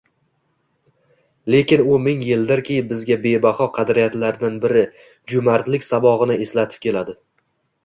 Lekin u ming yildirki, bizga bebaho qadriyatlardan biri jo`mardlik sabog`ini eslatib keladi